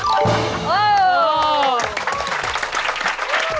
โอ้ย